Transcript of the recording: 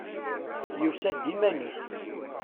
Yusa-d iman-is.